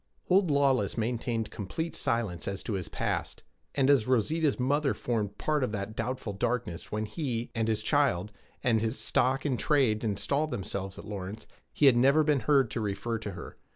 Old Lawless maintained complete silence as to his past; and as Rosita's mother formed part of that doubtful darkness when he, and his child, and his stock in trade installed themselves at Lawrence, he had never been heard to refer to her.